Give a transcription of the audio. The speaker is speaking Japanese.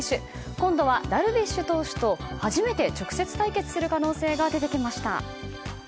今度はダルビッシュ投手と初めて直接対決する可能性が出てきました。